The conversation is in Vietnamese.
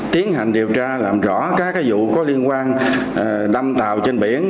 tiến hành điều tra làm rõ các vụ có liên quan đâm tàu trên biển